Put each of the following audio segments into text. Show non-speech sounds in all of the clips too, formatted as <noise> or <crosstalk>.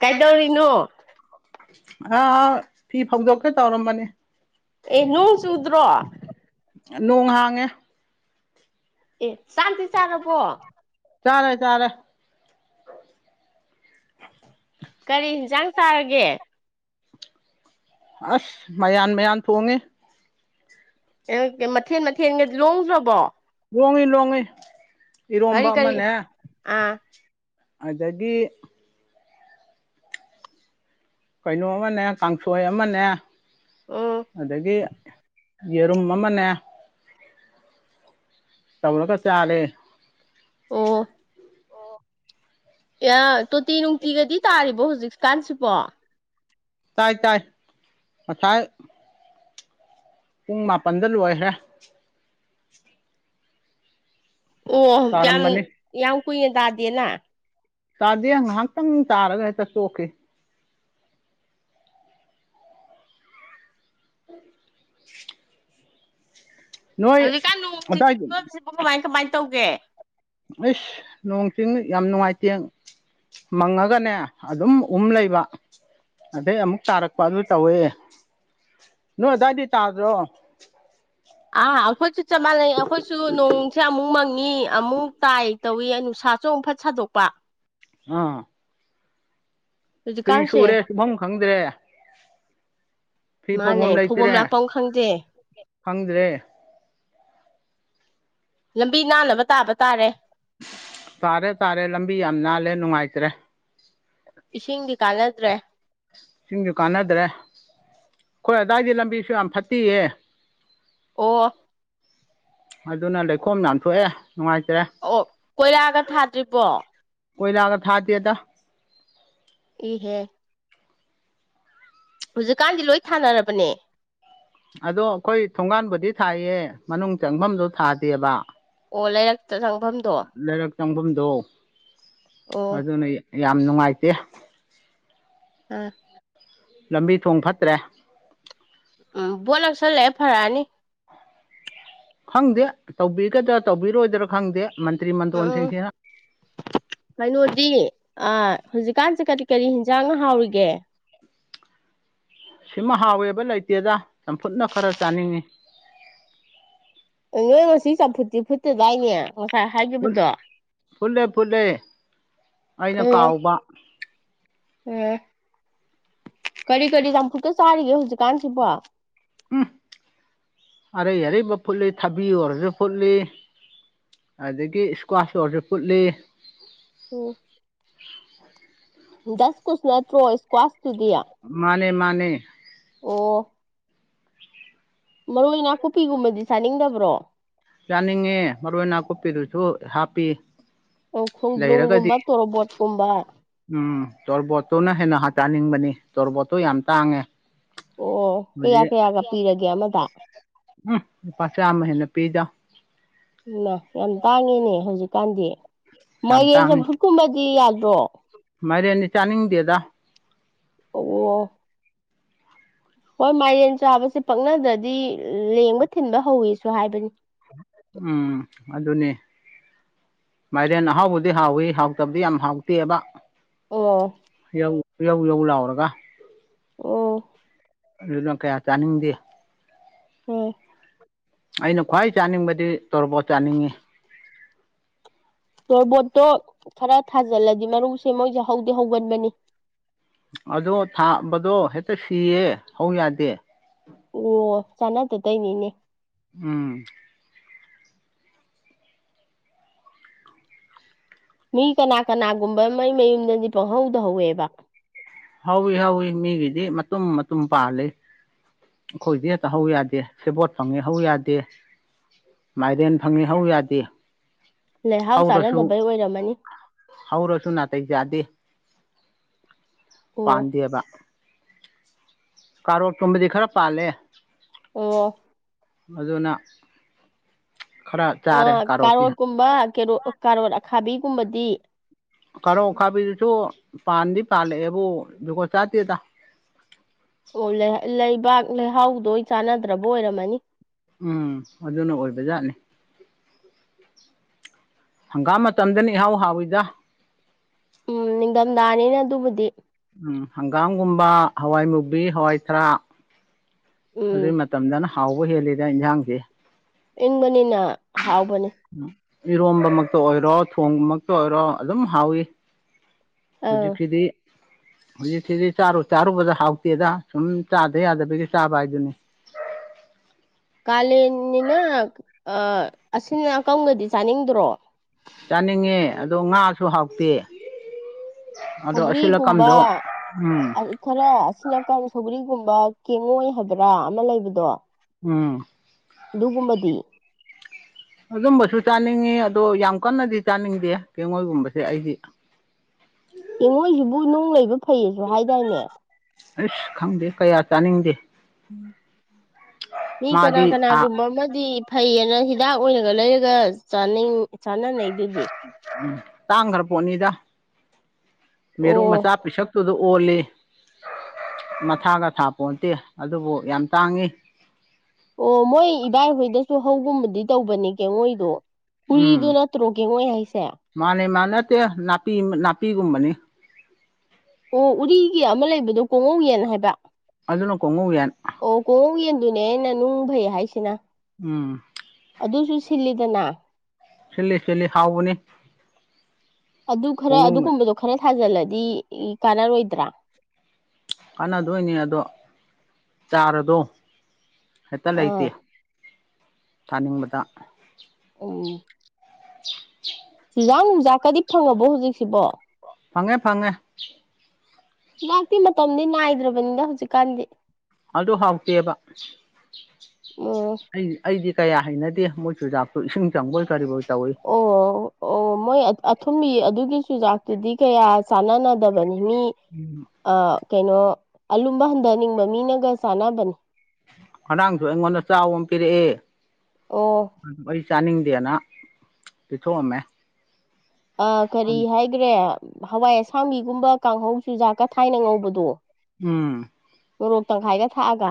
ꯀꯩꯗꯧꯔꯤꯅꯣ ꯑ ꯐꯤ ꯐꯧꯗꯣꯛꯀ‌ꯦ ꯇꯧꯔꯝꯕꯅꯤ ꯑꯦ ꯅꫭꯡ ꯆꯨꯗ꯭ꯔꯣ ꯅꯣꯡ ꯍꯥꯡꯉꯦ ꯑꯦ ꯆꯥꯛ ꯆꯔꯦ ꯆꯔꯦ ꯀꯔꯤ ꯌꯦꯟꯁꯥꯡ ꯆꯥꯔꯒꯦ ꯑꯁ ꯃꯌꯥꯟ ꯃꯌꯥꯟ ꯊꯣꯡꯉꯦ ꯃꯊꯦꯟ ꯃꯊꯦꯟꯒ ꯂꯣꯡꯗ꯭ꯔꯕꯣ ꯂꯣꯡꯉꯤ ꯂꯣꯡꯉꯤ ꯀꯔꯤ ꯏꯔꯣꯝꯕ ꯀꯔꯤ ꯑꯃꯅꯦ ꯑꯥ ꯑꯗꯒꯤ ꯀꯩꯅꯣ ꯑꯃꯅꯦ ꯀꯥꯡꯁꯣꯏ ꯑꯃꯅꯦ ꯎꯝ ꯑꯗꯒꯤ ꯌꯦꯔꯨꯝ ꯑꯃꯅꯦ ꯇꯧꯔꯒ ꯆꯥꯔꯦ ꯑꯣ ꯑ꯭ꯌ ꯇꯣꯇꯤ ꯅꯨꯡꯇꯤꯒꯗꯤ ꯇꯥꯔꯤꯕꯣ ꯍꯧꯖꯤꯛ ꯀꯥꯟꯁꯤꯕꯣ ꯇꯥꯏ ꯇꯥꯏ ꯉꯁꯥꯏ ꯄꯨꯡ ꯃꯥꯄꯟꯗ ꯂꯣꯏꯈ꯭ꯔꯦ ꯑꯣ ꯌꯥꯝ ꯇꯥꯔꯝꯕꯅꯤ ꯌꯥꯝ ꯀꯨꯏꯅ ꯇꯥꯗꯦꯅ ꯇꯥꯗꯦ ꯉꯥꯏꯍꯥꯛꯇꯪ ꯇꯥꯔꯒ ꯍꯦꯛꯇ ꯇꯣꯛꯈꯤ <unintelligible> ꯅꯣꯏ ꯍꯧꯖꯤꯛꯀꯥꯟ ꯅꯣꯡ ꯁꯤꯡꯒꯤ ꯑꯗꯥꯏꯗꯤ ꯐꯤꯕꯝ ꯁꯤꯕꯨ ꯀꯃꯥꯏ ꯀꯃꯥꯏꯅ ꯇꯧꯒꯦ ꯑꯩꯁ ꯅꯣꯡ ꯁꯤꯡ ꯌꯥꯝ ꯅꯨꯡꯉꯥꯏꯇꯦ ꯃꯪꯉꯒꯅꯦ ꯑꯗꯨꯝ ꯎꯝ ꯂꯩꯕ ꯑꯗꯩ ꯑꯃꯨꯛ ꯇꯥꯔꯛꯄ ꯑꯗꯨ ꯇꯧꯋꯦ ꯅꯣꯏ ꯑꯗ꯭ꯋꯥꯏꯗꯤ ꯇꯥꯗ꯭ꯔꯣ ꯑꯥ ꯑꯩꯈꯣꯏꯁꯨ ꯆꯞ ꯃꯥꯟꯅꯩ ꯑꯩꯈꯣꯏꯁꯨ ꯅꯣꯡꯁꯦ ꯑꯃꯨꯛ ꯃꯪꯉꯤ ꯑꯃꯨꯛ ꯇꯥꯏ ꯇꯧꯋꯤ ꯑꯩ ꯅꯨꯡꯁꯥ ꯁꯨ ꯑꯃꯨꯛ ꯐꯠ ꯁꯥꯗꯣꯛꯄ ꯑꯥ ꯐꯤ ꯍꯧꯖꯤꯛꯀꯥꯟꯁꯦ ꯁꯨꯔꯦ ꯁꯨꯕꯝ ꯈꯪꯗ꯭ꯔꯦ ꯐꯤ ꯃꯥꯅꯦ ꯐꯧꯕꯝ ꯂꯩꯇ꯭ꯔꯦ ꯂꯥꯛꯄꯝ ꯈꯪꯗꯦ ꯈꯪꯗ꯭ꯔꯦ ꯂꯝꯕꯤ ꯅꯥꯟꯅꯕ ꯇꯥꯕ ꯇꯥꯔꯦ ꯄꯥꯔꯦ ꯇꯥꯔꯦ ꯂꯝꯕꯤ ꯌꯥꯝ ꯅꯥꯜꯂꯦ ꯅꯨꯡꯉꯥꯏꯇ꯭ꯔꯦ ꯏꯁꯤꯡꯗꯤ ꯀꯥꯟꯅꯗ꯭ꯔꯦ ꯏꯁꯤꯡꯁꯨ ꯀꯥꯟꯅꯗ꯭ꯔꯦ ꯑꯩꯈꯣꯏ ꯑꯗꯥꯏꯗꯤ ꯂꯝꯕꯤꯁꯨ ꯌꯥꯝ ꯐꯠꯇꯤꯌꯦ ꯑꯣ ꯑꯗꯨꯅ ꯂꯩꯈꯣꯝ ꯌꯥꯝ ꯊꯣꯛꯑꯦ ꯅꯨꯡꯉꯥꯏꯇꯔꯦ ꯑꯣ ꯀꯣꯏꯂꯥꯒ ꯊꯥꯗ꯭ꯔꯤꯕꯣ ꯀꯣꯏꯂꯥꯒ ꯊꯥꯗꯦꯗ ꯏꯍꯦ ꯍꯧꯖꯤꯛꯀꯥꯟꯗꯤ ꯂꯣꯏ ꯊꯥꯅꯔꯕꯅꯦ ꯑꯗꯣ ꯑꯩꯈꯣꯏ ꯊꯣꯡꯒꯥꯟꯕꯨꯗꯤ ꯊꯥꯏꯌꯦ ꯃꯅꯨꯡ ꯆꯪꯐꯝꯗꯣ ꯊꯥꯗꯦꯕ ꯑꯣ ꯂꯩꯔꯛꯇ ꯆꯪꯐꯝꯗꯣ ꯂꯩꯔꯛ ꯆꯪꯕꯝꯗꯣ ꯑꯣ ꯑꯗꯨꯅꯤ ꯌꯥꯝ ꯅꯨꯡꯉꯥꯏꯇꯦ ꯎꯝ ꯂꯝꯕꯤ ꯊꯣꯡ ꯐꯠꯇ꯭ꯔꯦ ꯎꯝ ꯕꯣꯠ ꯅꯛꯁꯜꯂꯛꯑꯦ ꯐꯔꯛꯑꯅꯤ ꯈꯪꯗꯦ ꯇꯧꯕꯤꯒꯗ꯭ꯔꯥ ꯇꯧꯕꯤꯔꯣꯏꯗ꯭ꯔꯥ ꯈꯪꯗꯦ ꯃꯟꯇ꯭ꯔꯤ ꯎꯝ ꯎꯝ ꯃꯟꯗꯣꯟꯁꯤꯡꯁꯤꯅ ꯀꯩꯅꯣꯗꯤ ꯑ ꯍꯧꯖꯤꯛꯀꯥꯟꯁꯦ ꯀꯔꯤ ꯀꯔꯤ ꯍꯤꯟꯖꯥꯡꯅ ꯍꯥꯎꯔꯤꯒꯦ ꯁꯤꯃ ꯍꯥꯎꯋꯦꯕ ꯂꯩꯇꯦꯗ ꯆꯝꯐꯨꯠꯅ ꯈꯔ ꯆꯥꯅꯤꯡꯉꯤ ꯑꯣꯋꯣ ꯁꯤ ꯆꯝꯐꯨꯠꯇꯤ ꯐꯨꯠꯇꯦ ꯗꯥꯏꯅꯦ ꯉꯁꯥꯏ ꯐꯨꯠ- ꯍꯥꯏꯒꯤꯕꯗꯣ ꯐꯨꯠꯂꯦ ꯐꯨꯠꯂꯦ ꯑꯩꯅ ꯑꯣ ꯀꯥꯎꯕ ꯎꯝ ꯀꯔꯤ ꯀꯔꯤ ꯆꯝꯐꯨꯠꯀ ꯆꯥꯔꯤꯒꯦ ꯍꯧꯖꯤꯛꯀꯥꯟꯁꯤꯕꯣ ꯎꯝꯍ ꯑꯔꯩ ꯑꯔꯩꯕ ꯐꯨꯠꯂꯤ ꯊꯕꯤ ꯑꯣꯏꯔꯁꯨ ꯐꯨꯠꯂꯤ ꯑꯗꯒꯤ ꯏꯁꯀ꯭ꯋꯥꯁ ꯑꯣꯏꯔꯁꯨ ꯐꯨꯠꯂꯤ ꯑꯣ ꯗꯁꯀꯨꯁ ꯅꯠꯇ꯭ꯔꯣ ꯏꯁꯀ꯭ꯋꯥꯁꯇꯨꯗꯤ ꯃꯥꯅꯦ ꯃꯥꯅꯦ ꯑꯣ ꯃꯔꯣꯏ ꯅꯥꯀꯨꯞꯄꯤꯒꯨꯝꯕꯗꯤ ꯆꯥꯅꯤꯡꯗꯕ꯭ꯔꯣ ꯆꯥꯅꯤꯡꯉꯦ ꯃꯔꯣꯏ ꯅꯥꯀꯨꯞꯄꯤꯗꯨꯁꯨ ꯍꯥꯞꯄꯤ ꯎꯝ ꯂꯩꯔꯒꯗꯤ ꯈꯣꯡꯗ꯭ꯔꯨꯝꯒꯨꯝꯕ ꯇꯣꯔꯣꯕꯣꯠꯀꯨꯝꯕ ꯎꯝ ꯇꯣꯔꯕꯣꯠꯇꯨꯅ ꯍꯦꯟꯅ ꯆꯥꯅꯤꯡꯕꯅꯤ ꯇꯣꯔꯕꯣꯠꯇꯣ ꯌꯥꯝ ꯇꯥꯡꯉꯦ ꯑꯣ ꯀꯌꯥ ꯍꯧꯖꯤꯛ ꯀꯌꯥꯒ ꯄꯤꯔꯒꯦ ꯑꯃꯗ ꯎꯝ ꯂꯨꯄꯥ ꯆꯥꯝꯃ ꯍꯦꯟꯅ ꯄꯤꯗ ꯏꯃꯥ ꯌꯥꯝ ꯇꯥꯡꯉꯤꯅꯦ ꯍꯧꯖꯤꯛꯀꯥꯟꯗꯤ ꯌꯥꯝ ꯃꯥꯏꯔꯦꯟ ꯇꯥꯡꯉꯤ ꯆꯝꯐꯨꯠꯀꯨꯝꯕꯗꯤ ꯌꯥꯗ꯭ꯔꯣ ꯃꯥꯏꯔꯦꯟꯗꯤ ꯆꯥꯅꯤꯡꯗꯦꯗ ꯑꯣ ꯍꯣꯏ ꯃꯥꯏꯔꯦꯟ ꯆꯥꯕꯁꯦ ꯄꯛꯅꯗ꯭ꯔꯗꯤ ꯂꯦꯡꯕ ꯊꯤꯟꯕ ꯍꯧꯋꯤꯁꯨ ꯍꯥꯏꯕꯅꯤ ꯎꯝ ꯑꯗꯨꯅꯦ ꯃꯥꯏꯔꯦꯟ ꯑꯍꯥꯎꯕꯗꯤ ꯍꯥꯎꯋꯤ ꯍꯥꯎꯇꯕꯗꯤ ꯌꯥꯝ ꯍꯥꯎꯇꯦꯕ ꯑꯣ ꯌꯧ ꯌꯧ ꯌꯧ ꯂꯥꯎꯔꯒ ꯑꯣ ꯑꯗꯨꯅ ꯀꯌꯥ ꯆꯥꯅꯤꯡꯗꯦ <unintelligible> ꯑꯩꯅ ꯈ꯭ꯋꯥꯏ ꯆꯥꯅꯤꯡꯕꯗꯤ ꯇꯣꯔꯣꯕꯣꯠ ꯆꯥꯅꯤꯡꯉꯤ ꯇꯣꯔꯕꯣꯠꯇꯣ ꯈꯔ ꯊꯥꯖꯤꯜꯂꯗꯤ ꯃꯔꯨꯁꯦ ꯃꯣꯏꯖꯦ ꯍꯧꯗꯤ ꯍꯧꯒꯟꯕꯅꯤ ꯑꯗꯣ ꯊꯥꯕꯗꯣ ꯍꯦꯛꯇ ꯁꯤꯌꯦ ꯍꯧ ꯌꯥꯗꯦ ꯑꯣ ꯆꯅꯥꯗ ꯇꯧꯏꯅꯤꯅꯦ ꯎꯝ ꯃꯤ ꯀꯅꯥ ꯀꯅꯥꯒꯨꯝꯕ ꯃꯩ ꯃꯌꯨꯝꯗꯗꯤ ꯄꯪꯍꯧꯗ ꯍꯧꯋꯦꯕ ꯍꯧꯋꯤ ꯍꯧꯋꯤ ꯃꯤꯒꯤꯗꯤ ꯃꯇꯨꯝ ꯃꯇꯨꯝ ꯄꯥꯜꯂꯤ ꯑꯩꯈꯣꯏꯗꯤ ꯍꯦꯛꯇ ꯍꯧ ꯌꯥꯗꯦ ꯁꯦꯕꯣꯠ ꯐꯪꯉꯦ ꯍꯧ ꯌꯥꯗꯦ ꯃꯥꯏꯔꯦꯟ ꯐꯪꯉꯤ ꯍꯧ ꯌꯥꯗꯦ ꯂꯩꯍꯥꯎ ꯆꯥꯟꯅꯗꯕꯩ ꯑꯣꯏꯔꯝꯃꯅꯤ ꯍꯧꯔꯁꯨꯨ ꯅꯥꯇꯩ ꯆꯥꯗꯦ ꯑꯣ ꯄꯥꯟꯗꯦꯕ ꯀꯥꯔꯣꯠꯀꯨꯝꯕꯗꯤ ꯈꯔ ꯄꯥꯜꯂꯦ ꯑꯣ ꯑꯗꯨꯅ ꯈꯔ ꯆꯥꯔꯦ ꯑꯣ ꯀꯥꯔꯣꯠꯇꯤ ꯀꯥꯔꯣꯠꯀꯨꯝꯕ ꯀꯦꯔꯣ ꯀꯥꯔꯣꯠ ꯑꯈꯥꯕꯤꯒꯨꯝꯕꯗꯤ ꯀꯥꯔꯣꯠ ꯑꯈꯥꯕꯤꯗꯨꯁꯨ ꯄꯥꯟꯗꯤ ꯄꯥꯜꯂꯛꯑꯦꯕꯨ ꯖꯨꯒꯣꯠ ꯆꯥꯠꯇꯦꯗ ꯑꯣ ꯂꯩ ꯂꯩꯕꯥꯛ ꯂꯩꯍꯥꯎꯗꯣ ꯆꯥꯟꯅꯗ꯭ꯔꯕ ꯑꯣꯏꯔꯝꯃꯅꯤ ꯎꯝ ꯑꯗꯨꯅ ꯑꯣꯏꯕ ꯖꯥꯠꯅꯤ ꯍꯪꯒꯥꯝ ꯃꯇꯝꯗꯅ ꯏꯍꯥꯎ ꯍꯥꯎꯋꯤꯗ ꯎꯝ ꯅꯤꯡꯗꯝꯗꯥꯅꯤꯅ ꯑꯗꯨꯕꯨꯗꯤ ꯎꯝ ꯍꯪꯒꯥꯝꯒꯨꯝꯕ ꯍꯋꯥꯏ ꯃꯨꯕꯤ ꯍꯋꯥꯏ ꯊꯔꯥꯛ ꯎꯝ ꯑꯗꯨꯏ ꯃꯇꯝꯗꯅ ꯍꯥꯎꯕ ꯍꯦꯜꯂꯤꯗ ꯏꯟꯖꯥꯡꯖꯦ ꯏꯪꯕꯅꯤꯅ ꯍꯥꯎꯕꯅꯤ ꯏꯔꯣꯝꯕꯃꯛꯇ ꯑꯣꯏꯔꯣ ꯊꯣꯡꯕꯃꯛꯇ ꯑꯣꯏꯔꯣ ꯑꯗꯨꯝ ꯍꯥꯎꯋ ꯑꯥ ꯍꯧꯖꯤꯛ ꯀꯤꯗꯤ ꯍꯧꯖꯤꯛꯁꯤꯗꯤꯔ ꯆꯥꯔꯨꯕꯗ ꯍꯥꯎꯇꯦꯗ ꯁꯨꯝ ꯆꯥꯗ ꯌꯥꯗꯕꯒꯤ ꯆꯥꯕ ꯍꯥꯏꯗꯨꯅꯤ ꯀꯥꯂꯦꯟꯅꯤꯅ ꯑꯥ ꯑꯁꯤꯅ ꯑꯀꯪꯒꯗꯤ ꯆꯥꯅꯤꯡꯗ꯭ꯔꯣ ꯆꯥꯅꯤꯡꯉꯦ ꯑꯗꯣ ꯉꯥꯁꯨ ꯍꯥꯎꯇꯦ ꯑꯗꯣ ꯑꯁꯨꯜ ꯁꯧꯒ꯭ꯔꯤꯒꯨꯝꯕ ꯑꯀꯝꯗꯣ ꯎꯝ ꯈꯔ ꯑꯁꯤꯅꯀ ꯁꯧꯒ꯭ꯔꯤꯒꯨꯝꯕ ꯀꯦꯉꯣꯏ ꯍꯥꯏꯕ꯭ꯔꯥ ꯑꯃ ꯂꯩꯕꯗꯣ ꯎꯝ ꯑꯗꯨꯒꯨꯝꯕꯗꯤ ꯑꯗꯨꯝꯕꯁꯨ ꯆꯥꯅꯤꯡꯉꯤ ꯑꯗꯣ ꯌꯥꯝ ꯀꯟꯅꯗꯤ ꯆꯥꯅꯤꯡꯗꯦ ꯀꯦꯡꯉꯣꯏꯒꯨꯝꯕꯁꯦ ꯑꯩꯗꯤ ꯀꯦꯡꯉꯣꯏꯁꯤꯕꯨ ꯅꯨꯡ ꯂꯩꯕ ꯐꯩꯌꯦꯁꯨ ꯍꯥꯏꯗꯥꯏꯅꯦ ꯑꯁ ꯈꯪꯗꯦ ꯀꯌꯥ ꯆꯥꯅꯤꯡꯗꯦ ꯃꯤ ꯀꯅꯥ ꯃꯥꯗꯤ ꯀꯅꯥꯒꯨꯝꯕ ꯑꯃꯗꯤ ꯐꯩꯌꯦꯅ ꯍꯤꯗꯥꯛ ꯑꯣꯏꯅꯔꯒ ꯂꯩꯔꯒꯅꯤꯡ ꯆꯅꯤꯡ ꯆꯥꯅꯅꯩꯗꯨꯗꯤ ꯎꯝ ꯇꯥꯡꯈ꯭ꯔ ꯄꯣꯠꯅꯤꯗ ꯃꯦꯔꯨ ꯑꯣ ꯃꯆꯥ ꯄꯤꯁꯛ ꯇꯨꯗ ꯑꯣꯜꯂꯤ ꯃꯊꯥꯒ ꯊꯥ ꯄꯣꯟꯇꯦ ꯑꯗꯨꯕꯨ ꯌꯥꯝ ꯇꯥꯡꯉꯤ ꯑꯣ ꯃꯣꯏ ꯏꯕꯥꯏꯍꯣꯏꯗꯁꯨ ꯍꯧꯒꯨꯝꯕꯗꯤ ꯇꯧꯕꯅꯤ ꯀꯦ ꯉꯣꯏꯗꯣ ꯎꯔꯤꯗꯨ ꯎꯝ ꯅꯠꯇ꯭ꯔꯣ ꯀꯦꯉꯣꯏ ꯍꯥꯏꯁꯦ ꯃꯥꯅꯦ ꯃꯥ ꯅꯠꯇꯦ ꯅꯥꯄꯤ ꯅꯥꯄꯤꯒꯨꯝꯕꯅꯤ ꯑꯣ ꯎꯔꯤꯒꯤ ꯑꯃ ꯂꯩꯕꯗꯣ ꯀꯣꯉꯧ ꯌꯦꯟ ꯍꯥꯏꯕ ꯑꯗꯨꯅ ꯀꯣꯡꯉꯧꯌꯦꯟ ꯑꯣ ꯀꯣꯉꯧ ꯌꯦꯟꯗꯨꯅꯦ ꯑꯩꯅ ꯅꯨꯡ ꯐꯩ ꯍꯥꯏꯁꯤꯅ ꯎꯝ ꯑꯗꯨꯁꯨ ꯁꯤꯜꯂꯤꯗꯅ ꯁꯤꯜꯂꯤ ꯆꯦꯜꯂꯤ ꯍꯥꯎꯕꯅꯤ ꯑꯗꯨ ꯈꯔ ꯀꯣꯡꯉꯧ ꯑꯗꯨꯒꯨꯝꯕꯗꯣ ꯈꯔ ꯊꯥꯖꯜꯂꯗꯤ ꯀꯥꯟꯅꯔꯣꯏꯗ꯭ꯔꯥ ꯀꯥꯟꯅꯗꯣꯏꯅꯦ ꯑꯗꯣ ꯆꯥꯔꯗꯣ ꯍꯦꯛꯇ ꯂꯩꯇꯦ ꯑꯥ ꯊꯥꯅꯤꯡꯕꯗ <inaudible> ꯆꯨꯖꯥꯛ ꯅꯨꯡꯖꯥꯛꯀꯗꯤ ꯐꯪꯉꯕꯣ ꯍꯧꯖꯤꯛꯁꯤꯕꯣ ꯐꯪꯉꯦ ꯐꯪꯉꯦ ꯍꯤꯅꯥꯥꯛꯇꯤ ꯃꯇꯝꯗꯤ ꯅꯥꯏꯗ꯭ꯔꯕꯅꯤꯅ ꯍꯧꯖꯤꯛꯀꯥꯟꯗꯤ ꯑꯗꯨ ꯍꯥꯎꯇꯦꯕ ꯑꯣ ꯑꯩ ꯑꯩꯗꯤ ꯀꯌꯥ ꯍꯩꯅꯗꯦ ꯃꯣꯏ ꯆꯨꯖꯥꯛꯇ ꯏꯁꯤꯡ ꯆꯪꯕꯣꯏ ꯀꯔꯤꯕꯣꯏ ꯇꯧꯏꯤ ꯑꯣ ꯑꯣ ꯃꯣꯏ ꯑꯊꯨꯝꯕꯤ ꯑꯗꯨꯒꯤ ꯆꯨꯖꯥꯛ ꯑꯗꯨꯗꯤ ꯀꯌꯥ ꯆꯥꯟꯅꯅꯗꯕꯅꯤ ꯃꯤ ꯎꯝ ꯑꯥ ꯀꯩꯅꯣ ꯑꯂꯨꯝꯕ ꯍꯟꯗꯅꯤꯡꯕ ꯃꯤꯅꯒ ꯆꯥꯟꯅꯕꯅꯦ ꯍꯔꯥꯡꯁꯨ ꯑꯩꯉꯣꯟꯗ ꯆꯥꯎꯕ ꯑꯃ ꯄꯤꯔꯛꯑꯦ ꯑꯣ ꯑꯩ ꯆꯥꯅꯤꯡꯗꯦꯅ ꯄꯤꯊꯣꯛꯑꯝꯃꯦ ꯑ ꯀꯔꯤ ꯍꯥꯏꯈ꯭ꯔꯦ ꯍꯋꯥꯏ ꯑꯁꯥꯡꯕꯤꯒꯨꯝꯕ ꯀꯥꯡꯍꯧ ꯆꯨꯖꯥꯛꯀ ꯊꯥꯏꯅ ꯉꯧꯕꯗꯣ ꯎꯝ ꯃꯣꯔꯣꯛ ꯇꯪꯈꯥꯏꯒ ꯊꯥꯛꯑꯒ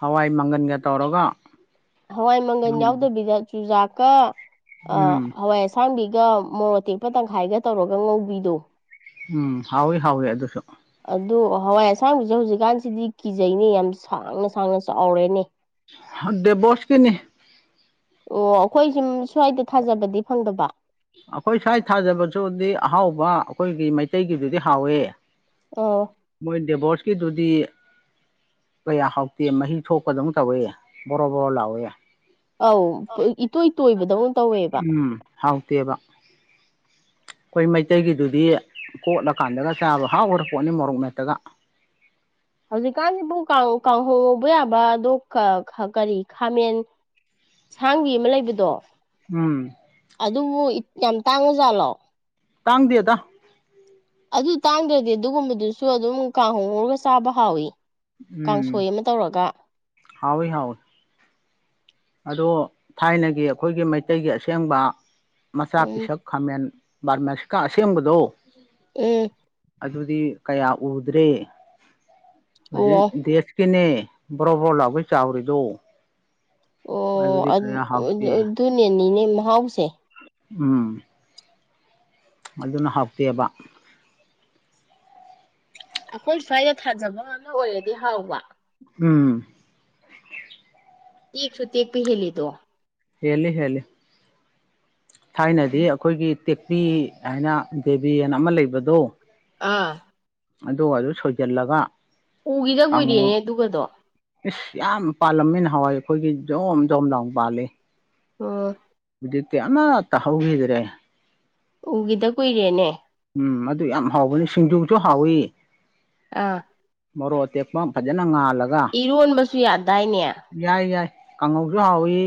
ꯍꯋꯥꯏ ꯃꯪꯒꯟꯒ ꯇꯧꯔꯒ ꯍꯋꯥꯏ ꯃꯪꯒꯟ ꯎꯝ ꯌꯥꯎꯗꯕꯤꯗ ꯆꯨꯖꯥꯛꯀ ꯑ ꯍꯋꯥꯏ ꯑꯁ ꯁꯥꯡꯕꯤꯒ ꯃꯣꯔꯣ ꯇꯦꯛꯄ ꯇꯪꯈꯥꯏꯒ ꯇꯧꯔꯒ ꯉꯧꯕꯤꯗꯣ ꯎꯝ ꯍꯥꯎꯋꯤ ꯍꯥꯎꯋꯤ ꯑꯗꯨꯁꯨ ꯑꯗꯨ ꯍꯋꯥꯏ ꯑꯁꯥꯡꯕꯤꯁꯦ ꯍꯧꯖꯤꯛꯀꯥꯟꯁꯤꯗꯤ ꯀꯤꯖꯩꯅꯦ ꯌꯥꯝ ꯁꯥꯡꯅ ꯁꯥꯡꯅ ꯆꯥꯎꯔꯦꯅꯦ ꯊ ꯗꯦꯕꯣꯁꯀꯤꯅꯤ ꯑꯣ ꯑꯩꯈꯣꯏ ꯁꯤꯝ ꯁ꯭ꯋꯥꯏꯗ ꯊꯥꯖꯕꯗꯤ ꯐꯪꯗꯕ ꯑꯈꯣꯏ ꯁ꯭ꯋꯥꯏ ꯊꯥꯖꯕꯁꯨꯗꯤ ꯑꯍꯥꯎꯕ ꯑꯈꯣꯏꯒꯤ ꯃꯩꯇꯩꯒꯤꯗꯨꯗꯤ ꯍꯥꯎꯋꯦ ꯑꯣ ꯃꯣꯏ ꯗꯦꯕꯣꯁꯀꯤꯗꯨꯗꯤ ꯀꯌꯥ ꯍꯥꯎꯇꯦ ꯃꯍꯤ ꯊꯣꯛꯄ ꯗꯧꯟ ꯇꯧꯋꯦ ꯕꯣꯔꯣ ꯕꯣꯔꯣ ꯂꯥꯎꯋꯦ ꯑꯧ ꯄꯨ ꯏꯇꯣꯏ ꯇꯣꯏꯕꯗꯧꯅ ꯇꯧꯋꯦꯕ ꯎꯝ ꯍꯥꯎꯇꯦꯕ ꯑꯈꯣꯏ ꯃꯩꯇꯩꯒꯤꯗꯨꯗꯤ ꯀꯣꯠꯂꯀꯥꯟꯗꯒ ꯆꯥꯕ ꯍꯥꯎꯈ꯭ꯔ ꯄꯣꯠꯅꯤ ꯃꯣꯔꯣꯛ ꯃꯦꯠꯇꯒ ꯍꯧꯖꯤꯛꯀꯥꯟꯁꯤꯕꯨ ꯀꯥꯡ ꯀꯥꯡꯍꯧ ꯉꯧꯕ ꯌꯥꯕꯗꯣ ꯀ ꯀꯔꯤ ꯈꯥꯃꯦꯟ ꯁꯥꯡꯕꯤ ꯑꯃ ꯂꯩꯕꯗꯣ ꯎꯝ ꯑꯗꯨꯕꯨ ꯏꯠ ꯌꯥꯝ ꯇꯥꯡꯉꯖꯥꯠꯂꯣ ꯇꯥꯡꯗꯦꯗ ꯑꯗꯨ ꯇꯥꯡꯗ꯭ꯔꯗꯤ ꯑꯗꯨꯒꯨꯝꯕꯗꯨꯁꯨ ꯑꯗꯨꯝ ꯀꯥꯡꯍꯧ ꯉꯧꯔꯒ ꯆꯥꯕ ꯍꯥꯎꯋꯤ ꯎꯝ ꯀꯥꯡꯁꯣꯏ ꯑꯃ ꯇꯧꯔꯒ ꯍꯥꯎꯋꯤ ꯍꯥꯎꯋꯤ ꯑꯗꯣ ꯊꯥꯏꯅꯒꯤ ꯑꯈꯣꯏꯒꯤ ꯃꯩꯇꯩꯒꯤ ꯑꯁꯦꯡꯕ ꯃꯆꯥ ꯎꯝ ꯄꯤꯁꯛ ꯈꯥꯃꯦꯟ ꯕꯥꯔꯃꯁꯤꯀꯥ ꯑꯁꯦꯡꯕꯗꯣ ꯎꯝ ꯑꯗꯨꯗꯤ ꯀꯌꯥ ꯎꯗ꯭ꯔꯦ ꯍꯨꯖꯤꯛ ꯑꯣ ꯗꯦꯁ ꯀꯤꯅꯦ ꯕ꯭ꯔꯣ-ꯕ꯭ꯔꯣ ꯂꯥꯛꯎꯒꯩ ꯆꯥꯎꯔꯤꯗꯣ ꯑꯣ ꯑꯗꯨꯗꯤ ꯎꯟ ꯀꯌꯥ <unintelligible> ꯍꯥꯎꯇꯦ ꯑꯗꯨꯅꯅꯤꯅꯦ ꯃꯍꯥꯎꯁꯦ ꯎꯝ ꯑꯗꯨꯅ ꯍꯥꯎꯇꯦꯕ ꯑꯈꯣꯏ ꯁ꯭ꯋꯥꯏꯗ ꯊꯥꯖꯕ ꯉꯥꯛꯅ ꯑꯣꯏꯔꯗꯤ ꯍꯥꯎꯕ ꯎꯝ ꯇꯦꯛꯁꯨ ꯇꯦꯛꯄ ꯍꯦꯜꯂꯤꯗꯣ ꯍꯦꯜꯂꯤ ꯍꯦꯜꯂꯤ ꯊꯥꯏꯅꯗꯤ ꯑꯈꯣꯏꯒꯤ ꯇꯦꯛꯄꯤ ꯍꯥꯏꯅ ꯗꯦꯕꯤ ꯑꯅ ꯑꯃ ꯂꯩꯕꯗꯣ ꯑꯥ ꯑꯗꯨꯒꯗꯨ ꯁꯣꯏꯖꯜꯂꯒ ꯎꯒꯤꯗ ꯀꯨꯏꯔꯦꯅꯦ ꯑꯗꯨꯒꯗꯣ ꯏꯁ ꯌꯥꯝ ꯄꯥꯜꯂꯝꯃꯤ ꯅꯍꯥꯋꯥꯏ ꯑꯈꯣꯏꯒꯤ ꯖꯣꯝ ꯖꯣꯝ ꯂꯥꯎꯅ ꯄꯥꯜꯂꯤ ꯑꯣ ꯖꯤꯛꯇꯤ ꯑꯃꯠꯇ ꯍꯧꯒꯤꯗ꯭ꯔꯦ ꯎꯒꯤꯗ ꯀꯨꯏꯔꯦꯅꯦ ꯎꯝ ꯃꯗꯨ ꯌꯥꯝ ꯍꯥꯎꯕꯅꯤ ꯁꯤꯡꯖꯨꯁꯨ ꯍꯥꯎꯋꯤ ꯑꯥ ꯃꯣꯔꯣꯛ ꯑꯇꯦꯛꯄꯝ ꯐꯖꯅ ꯉꯥꯜꯂ ꯏꯔꯣꯟꯕꯁꯨ ꯌꯥꯗꯥꯏꯅꯦ ꯌꯥꯏ ꯌꯥꯏ ꯀꯥꯡꯉꯧꯁꯨ ꯍꯥꯎꯋꯤ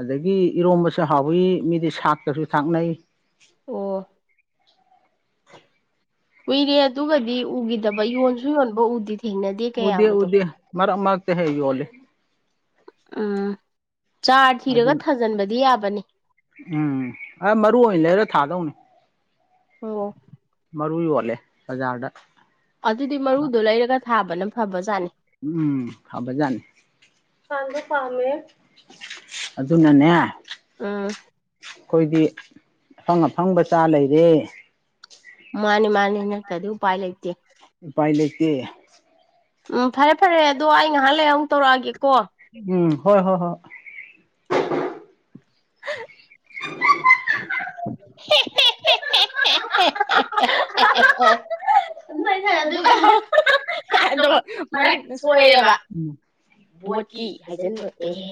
ꯑꯗꯒꯤ ꯏꯔꯣꯝꯕꯁꯨ ꯍꯥꯎꯋꯤ ꯃꯤꯗꯤ ꯁꯥꯛꯇꯁꯨ ꯊꯥꯛꯅꯩ ꯑꯣ <inaudible> ꯀꯨꯏꯔꯦ ꯑꯗꯨꯒꯗꯤ ꯎꯒꯤꯗꯕ ꯌꯣꯟꯁꯨ ꯌꯣꯟꯕ ꯎꯗꯤ ꯊꯦꯡꯅ ꯎꯗꯦ ꯎꯗꯦ ꯃꯔꯛ ꯃꯔꯛꯇ ꯍꯦꯛ ꯌꯣꯜꯂꯤ ꯎꯝ ꯆꯥꯔ ꯊꯤꯔꯒ ꯑꯗꯨꯅ ꯊꯥꯖꯤꯟꯕꯗꯤ ꯌꯥꯕꯅꯤ ꯎꯝ ꯑꯥ ꯃꯔꯨ ꯑꯣꯏꯅ ꯂꯩꯔ ꯊꯥꯗꯧꯅꯤ ꯑꯣ ꯃꯔꯨ ꯌꯣꯜꯂꯦ ꯕꯖꯥꯔꯗ ꯑꯗꯨꯗꯤ ꯃꯔꯨꯗꯣ ꯂꯩꯔꯒ ꯊꯥꯕꯅ ꯐꯕꯖꯥꯠꯅꯤ ꯎꯝ ꯐꯕ ꯖꯥꯠꯅꯤ ꯊꯥꯕ ꯄꯥꯝꯃꯦ ꯑꯗꯨꯅꯅꯦ ꯎꯝ ꯈꯣꯏꯗꯤ ꯑꯐꯪ ꯑꯐꯪꯕ ꯆꯥ ꯂꯩꯔꯦ ꯃꯥꯅꯤ ꯃꯥꯅꯤ ꯅꯠꯇꯗꯤ ꯎꯄꯥꯏ ꯂꯩꯥꯇꯦ ꯏꯄꯥꯏ ꯂꯩꯇꯦ ꯎꯝ ꯐꯔꯦ ꯐꯔꯦ ꯑꯗꯣ ꯑꯩ ꯉꯥꯏꯍꯥꯛ ꯂꯩꯔ ꯑꯃꯨꯛ ꯇꯧꯔꯛꯑꯒꯦꯀꯣ ꯎꯝ ꯍꯣꯏ ꯍꯣꯏ ꯍꯣꯏ <inaudible> <inaudible> ꯑꯗꯨꯔ ꯑꯗꯨꯃꯥꯏꯅ ꯑꯗꯨ ꯍꯥꯏꯗꯣꯏꯕ ꯑꯗꯣ <unintelligible> ꯐꯔ ꯃꯔꯛꯇ ꯁꯣꯏꯔꯦꯕ ꯕꯣꯠꯀꯤ ꯚꯣꯠꯀꯤ ꯑꯦꯖꯦꯟꯠ ꯍꯥꯏꯖꯤꯟꯕ ꯑꯣꯏꯗꯣꯏꯅꯦ ꯑꯦꯍꯦ